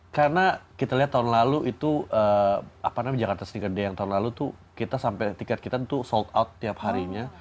karena kita lihat tahun lalu itu jakarta sneaker day yang tahun lalu tuh kita sampai tiket kita tuh sold out tiap harinya